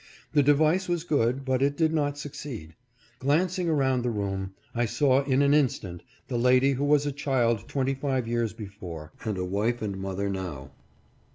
The device was good, but it did not succeed. Glancing around the room, I saw in an instant the lady who was a child twenty five years before, and the wife and mother now.